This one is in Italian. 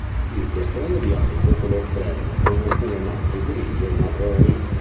Il piastrone è bianco o color crema, con alcune macchie grigie o marroni.